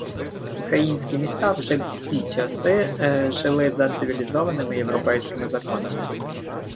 Українські міста вже в ті часи жили за цивілізованими європейськими законами